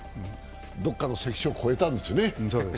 どこかの関所越えたんですね。